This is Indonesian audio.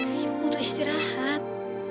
ibu butuh istirahat